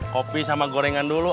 kopi sama gorengan dulu